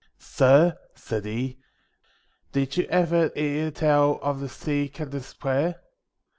1 Sur,' said he, ' did you ever hear tell of the sea captain's prayer